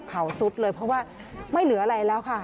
เขาซุดเลยเพราะว่าไม่เหลืออะไรแล้วค่ะ